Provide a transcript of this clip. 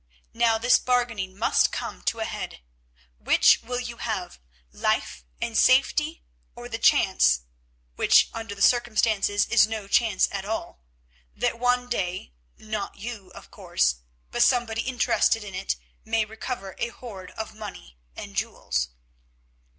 Now this bargaining must come to a head. Which will you have, life and safety, or the chance—which under the circumstances is no chance at all—that one day, not you, of course, but somebody interested in it, may recover a hoard of money and jewels?"